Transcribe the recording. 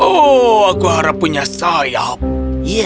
ya aku tidak tahu tentang sayap yang mulia tahunya